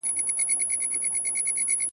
انا وویل چې ماشوم ته باید لارښوونه وشي.